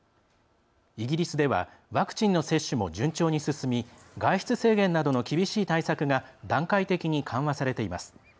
イギリスではワクチンの接種も順調に進み外出制限などの厳しい対策が段階的に緩和されています。